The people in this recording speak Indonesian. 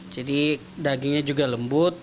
jadi dagingnya juga lembut